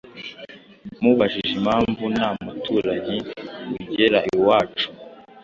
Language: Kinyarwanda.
Mubajije impamvu nta muturanyi ugera iwacu,